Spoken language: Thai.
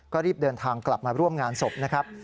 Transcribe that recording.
ก็รีบเดินทางกลับมาร่วมงานศพนะครับ